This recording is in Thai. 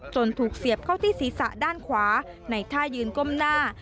ถูกเสียบเข้าที่ศีรษะด้านขวาในท่ายืนก้มหน้า